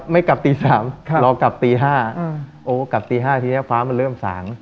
กลับตี๓รอกลับตี๕โอ้กลับตี๕ทีนี้ฟ้ามันเริ่มสาง